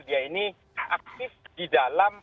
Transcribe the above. dia ini aktif di dalam